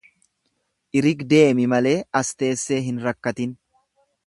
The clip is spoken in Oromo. Irig deemi malee as teessee hin rakkatin.